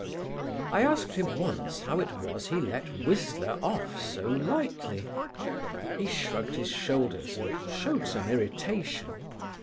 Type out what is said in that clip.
I asked him once how it was he let Whistler off so lightly. He shrugged his shoulders and showed some irritation.